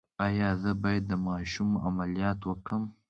ایا زه باید د ماشوم عملیات وکړم؟